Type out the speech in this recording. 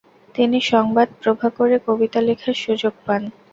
তিনি সংবাদ প্রভাকরে কবিতা লেখার সুযোগ পান।